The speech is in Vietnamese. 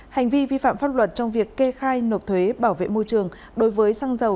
hành vi vi phạm pháp luật trong việc kê khai nộp thuế bảo vệ môi trường đối với xăng dầu